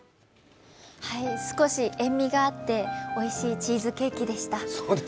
少し塩みがあっておいしいチーズケーキでした。